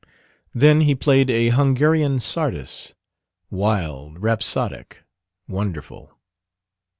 Then he played a Hungarian csardas wild, rhapsodic, wonderful.